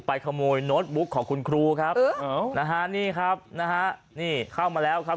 ขโมยโน้ตบุ๊กของคุณครูครับนะฮะนี่ครับนะฮะนี่เข้ามาแล้วครับ